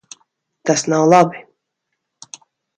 Tas nav labi.